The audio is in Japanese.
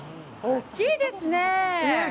大きいですね。